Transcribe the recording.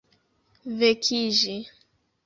vekiĝi